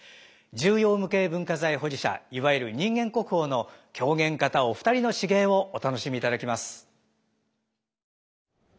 重要無形文化財保持者いわゆる人間国宝の狂言方お二人の至芸をお楽しみいただきます。